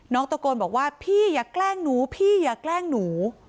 ตะโกนบอกว่าพี่อย่าแกล้งหนูพี่อย่าแกล้งหนู